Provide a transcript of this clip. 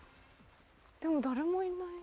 でも誰もいない。